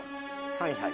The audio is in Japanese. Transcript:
はいはい。